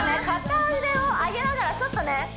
片腕を上げながらちょっとね